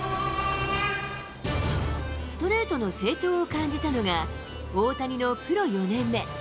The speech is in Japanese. ストレートの成長を感じたのが、大谷のプロ４年目。